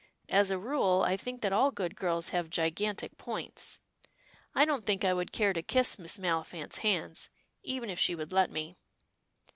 As a rule, I think that all good girls have gigantic points. I don't think I would care to kiss Miss Maliphant's hands, even if she would let me."